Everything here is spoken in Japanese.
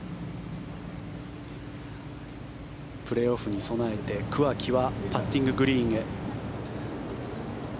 プレーオフに備えて桑木はパッティンググリーンへ。